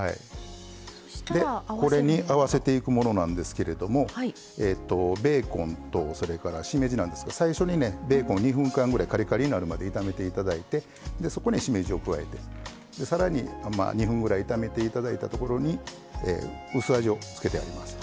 でこれに合わせていくものなんですけれどもベーコンとそれからしめじなんですけど最初にねベーコン２分間ぐらいカリカリになるまで炒めていただいてでそこにしめじを加えてで更に２分ぐらい炒めていただいたところに薄味を付けてやります。